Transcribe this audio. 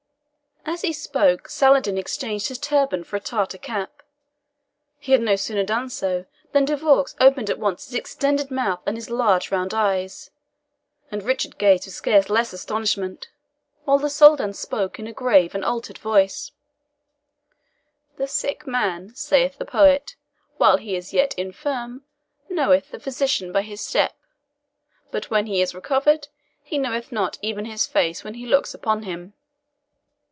As he spoke, Saladin exchanged his turban for a Tartar cap. He had no sooner done so, than De Vaux opened at once his extended mouth and his large, round eyes, and Richard gazed with scarce less astonishment, while the Soldan spoke in a grave and altered voice: "The sick man, saith the poet, while he is yet infirm, knoweth the physician by his step; but when he is recovered, he knoweth not even his face when he looks upon him."